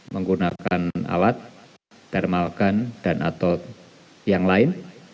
menggunakan alat termalkan dan atau yang lain